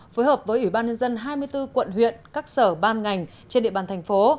phối hợp với ủy ban nhân dân hai mươi bốn quận huyện các sở ban ngành trên địa bàn thành phố